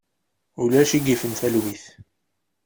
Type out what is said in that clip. Ulac i yifen talwit.